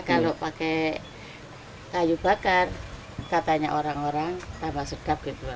kalau pakai kayu bakar katanya orang orang tambah sedap gitu